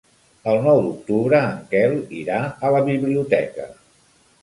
El nou d'octubre en Quel irà a la biblioteca.